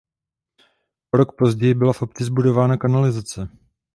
O rok později byla v obci zbudována kanalizace.